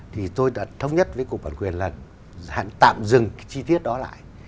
thì tôi đã thống nhất với cục bạch quỳnh là hãy tạm dừng chi tiết đó lại